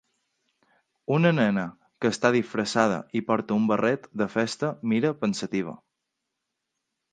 Una nena que està disfressada i porta un barret de festa mira pensativa.